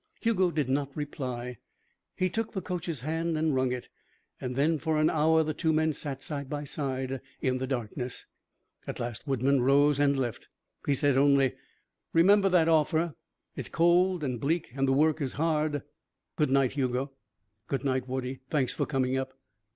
Hugo did not reply. He took the coach's hand and wrung it. Then for an hour the two men sat side by side in the darkness. At last Woodman rose and left. He said only: "Remember that offer. It's cold and bleak and the work is hard. Good night, Hugo." "Good night, Woodie. Thanks for coming up."